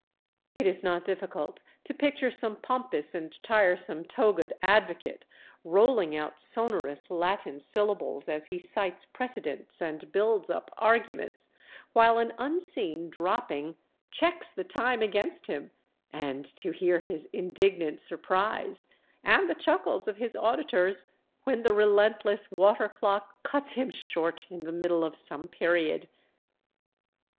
It is not difficult to picture some pompous and tiresome togaed advocate, rolling out sonorous Latin syllables as he cites precedents and builds up arguments, while an unseen dropping checks the time against him, and to hear his indignant surprise—and the chuckles of his auditors—when the relentless water clock cuts him short in the middle of some period.